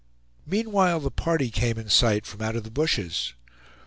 Meanwhile the party came in sight from out of the bushes.